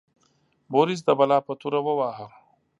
بوریس د بلا په توره وواهه.